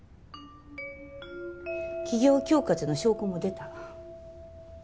企業恐喝の証拠も出た。